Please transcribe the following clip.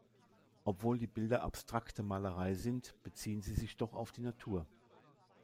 Obwohl die Bilder abstrakte Malerei sind, beziehen sie sich doch auf die Natur.